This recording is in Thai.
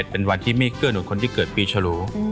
เป็นวันที่ไม่เกื้อหนุนคนที่เกิดปีฉลู